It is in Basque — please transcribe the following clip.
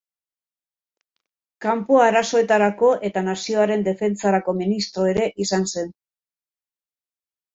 Kanpo Arazoetarako eta Nazioaren Defentsarako ministro ere izan zen.